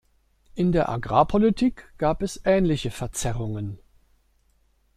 In der Agrarpolitik gab es ähnliche Verzerrungen.